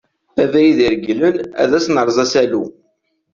Abrid i reglen, ad s-nerreẓ asalu.